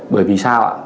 bởi vì sao ạ